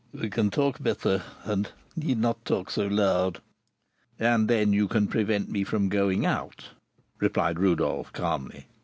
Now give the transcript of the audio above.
"We can talk better," he said, "and need not talk so loud." "And then you can prevent me from going out," replied Rodolph, calmly.